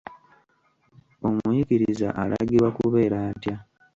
Omuyigiriza alagirwa kubeera atya?